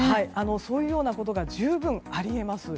そういうことが十分あり得ます。